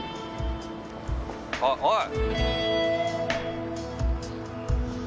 あっおい！